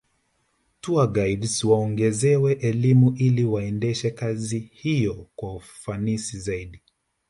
Tourguides waongezewe elimu ili waendeshe kazi hiyo kwa ufanisi zaidi